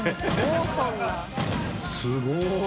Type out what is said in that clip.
すごい！